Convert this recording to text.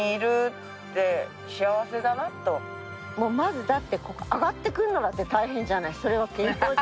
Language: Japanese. もうまずだってここ上がってくるのだって大変じゃない。